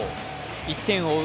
１点を追う